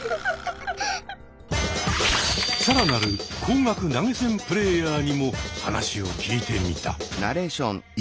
更なる高額投げ銭プレーヤーにも話を聞いてみた。